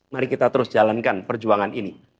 mari kita terus jalankan perjuangan ini